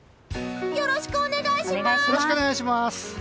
よろしくお願いします！